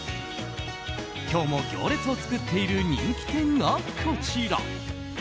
今日も行列を作っている人気店がこちら。